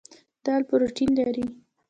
دال پروټین لري.